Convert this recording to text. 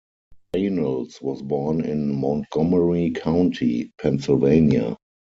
Reynolds was born in Montgomery County, Pennsylvania.